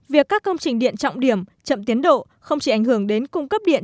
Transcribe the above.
việc các công trình điện trọng điểm chậm tiến độ không chỉ ảnh hưởng đến cung cấp điện